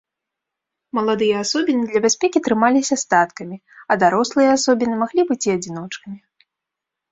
Маладыя асобіны для бяспекі трымаліся статкамі, а дарослыя асобіны маглі быць і адзіночкамі.